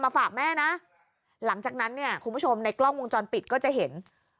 ฝากแม่นะหลังจากนั้นเนี่ยคุณผู้ชมในกล้องวงจรปิดก็จะเห็น